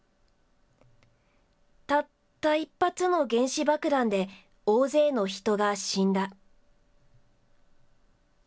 たった一発の原子爆弾で、大勢の人が死んだ。